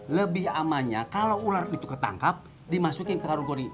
lebih amannya kalau ular itu ketangkap dimasukin ke kategori